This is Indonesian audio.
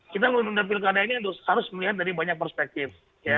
kita melindungi pilih kandang ini harus melihat dari banyak perspektif